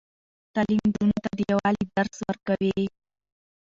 تعلیم نجونو ته د یووالي درس ورکوي.